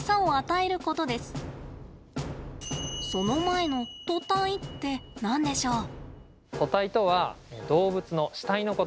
その前の、と体って何でしょう？